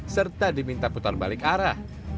serta diminta putar balik arah